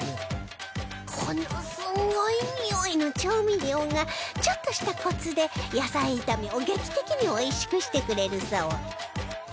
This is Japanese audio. このすごいにおいの調味料がちょっとしたコツで野菜炒めを劇的においしくしてくれるそう